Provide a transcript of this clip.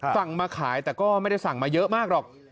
สั่งมาขายแต่ก็ไม่ได้สั่งมาเยอะมากหรอก